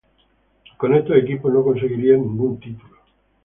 Con estos equipos no conseguiría ningún título.